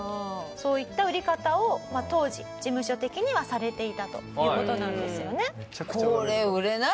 そういった売り方を当時事務所的にはされていたという事なんですよね。